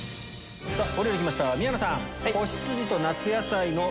お料理きました宮野さん。